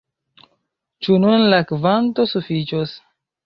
Ĉu nun la kvanto sufiĉos?